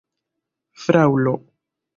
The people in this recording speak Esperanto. fraŭlo